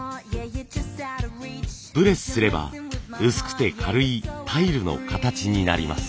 プレスすれば薄くて軽いタイルの形になります。